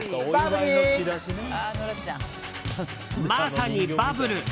まさにバブル！